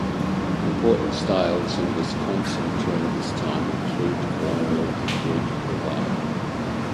Important styles in Wisconsin during this time include colonial and Greek revival.